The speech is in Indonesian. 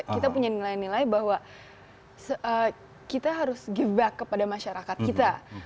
kita punya nilai nilai bahwa kita harus give back kepada masyarakat kita